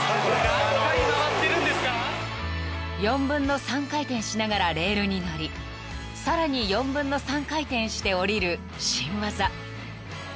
［４分の３回転しながらレールに乗りさらに４分の３回転して下りる新技］